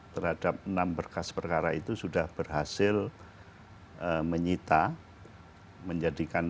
tetap bagus begini dan akan